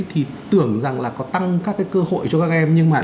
thì tưởng rằng là có tăng các cái cơ hội cho các em